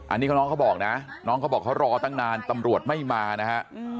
อันนี้น้องเขาบอกนะน้องเขาบอกเขารอตั้งนานตำรวจไม่มานะฮะ